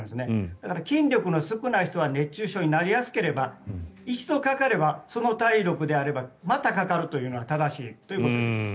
だから筋力の少ない人は熱中症になりやすければ一度かかれば、その体力であればまたかかるというのは正しいということです。